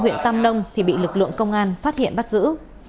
huyện tam nông thì bị lực lượng công an phát hiện bắt giữ